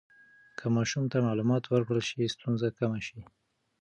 که ماشوم ته معلومات ورکړل شي، ستونزه کمه شي.